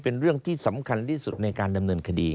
เป็นเรื่องที่สำคัญที่สุดในการดำเนินคดี